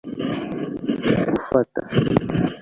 gufata